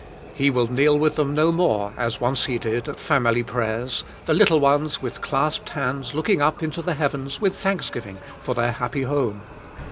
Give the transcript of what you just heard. He will kneel with them no more as once he did at family prayers the little ones with clasped hands looking up into the heavens with thanksgiving for their happy home.